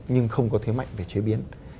nhưng không có thế mạnh về chế biến